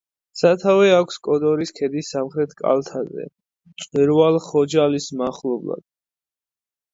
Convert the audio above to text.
სათავე აქვს კოდორის ქედის სამხრეთ კალთაზე, მწვერვალ ხოჯალის მახლობლად.